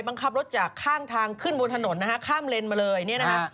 บังคับรถจากข้างทางขึ้นบนถนนนะฮะข้ามเลนมาเลยเนี่ยนะฮะ